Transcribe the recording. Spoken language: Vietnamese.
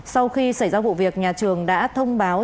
sau khi xảy ra vụ việc nhà trường đã thông báo